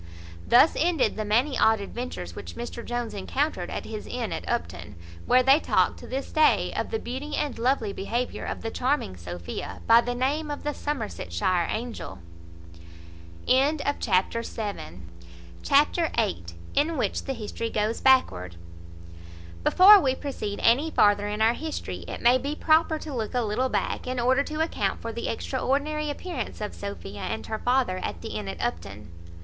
Thus ended the many odd adventures which Mr Jones encountered at his inn at Upton, where they talk, to this day, of the beauty and lovely behaviour of the charming Sophia, by the name of the Somersetshire angel. Chapter viii. In which the history goes backward. Before we proceed any farther in our history, it may be proper to look a little back, in order to account for the extraordinary appearance of Sophia and her father at the inn at Upton.